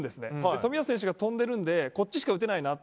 冨安選手が飛んでいるのでこっちしか打てないなと。